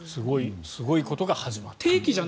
すごいことが始まった。